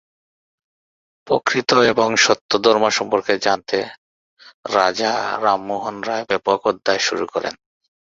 প্রকৃত এবং সত্য ধর্ম সম্পর্কে জানতে রাজা রামমোহন রায় ব্যাপক অধ্যায়ন শুরু করেন।